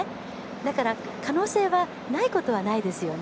だから、可能性はないことはないですよね。